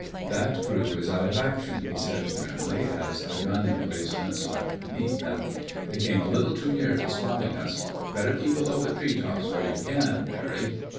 "That crew is out of action," he said grimly as the gun emplacement swept beneath him. "They came a little too near to spotting us. Better keep below the treetops where you can, Barry."